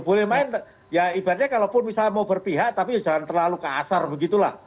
boleh main ya ibaratnya kalau pun misalnya mau berpihak tapi jangan terlalu kasar begitu lah